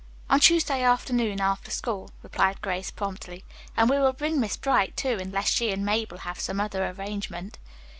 "On Tuesday afternoon after school," replied Grace promptly. "And we will bring Miss Bright, too, unless she and Mabel have some other engagement."